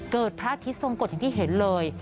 พระอาทิตย์ทรงกฎอย่างที่เห็นเลย